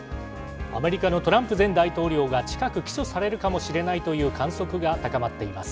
アメリカのトランプ前大統領が近く起訴されるかもしれないという観測が高まっています。